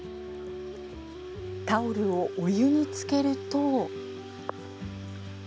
タオルをお湯につけると。